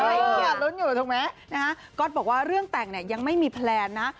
เนี่ยลุ้นอยู่ถูกไหมนะฮะก๊อตบอกว่าเรื่องแต่งเนี่ยยังไม่มีแพลนนะ